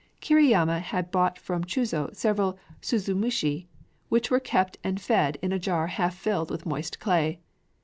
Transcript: Kiriyama had bought from Chūzō several suzumushi, which were kept and fed in a jar half filled with moist clay.